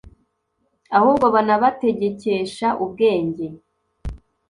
ahubwo banabategekesha ubwenge